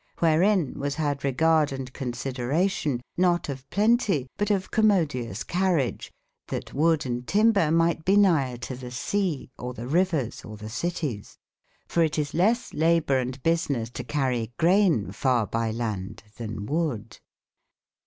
^herein was had regard and consideration, not of plenty, but of commodious carriage, that wood and timber might be nigher to the sea, or the rivers, or the cities* for it is lesse laboure and businesse to carrie grayne farre by land, than wood.